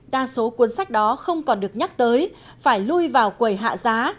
đa số cuốn sách đó không còn được nhắc tới phải lui vào quầy hạ giá